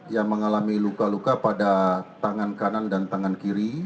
yang mengalami luka luka pada tangan kanan dan tangan kiri